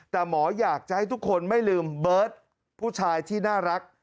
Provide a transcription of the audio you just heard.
แต่หมออยากจะให้ทุกคนไม่ลืมเบิร์ตผู้ชายที่น่ารัก